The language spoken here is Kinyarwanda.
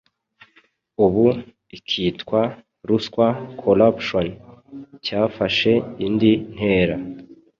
Ubu ikitwa ruswa (Corruption), cyafashe indi ntera